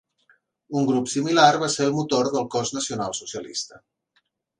Un grup similar va ser el motor del Cos Nacional Socialista.